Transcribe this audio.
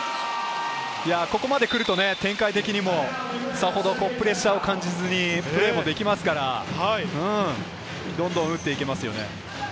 ここまでくると展開的にもさほどプレッシャーを感じずにできますから、どんどん打っていきますね。